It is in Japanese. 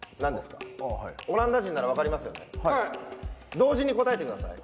同時に答えてください。